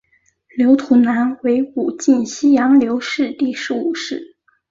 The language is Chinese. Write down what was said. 刘图南为武进西营刘氏第十五世。